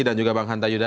dan juga bang hanta yudha